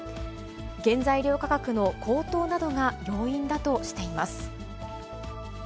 原材料価格の高騰などが要因だとしています。